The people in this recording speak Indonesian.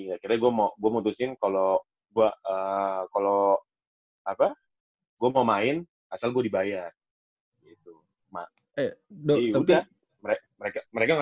akhirnya gue mutusin kalau gue mau main asal gue dibayar